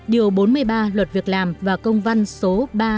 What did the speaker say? điều bốn mươi ba luật việc làm và công văn số ba mươi hai